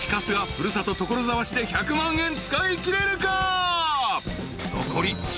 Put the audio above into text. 古里所沢市で１００万円使いきれるか？］